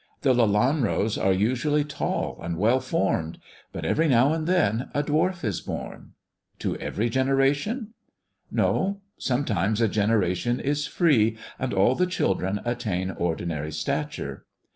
The Lelanros are usually tall and well formed ; but every now and then a dwarf is born." " To every generation 1 " "No. Sometimes a generation is free, &nd all the children attain ordinary stature.